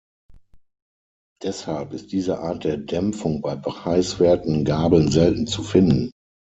Deshalb ist diese Art der Dämpfung bei preiswerten Gabeln selten zu finden.